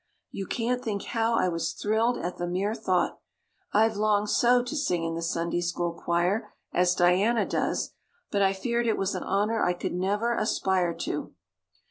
You can't think how I was thrilled at the mere thought. I've longed so to sing in the Sunday school choir, as Diana does, but I feared it was an honor I could never aspire to.